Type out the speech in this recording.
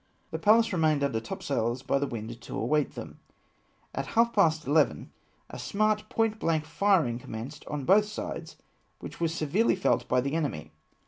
" The Pallas remained under topsails by the wind to await them ; at half past eleven a smart point blank firing com menced on both sides, which was severely felt by the enemy.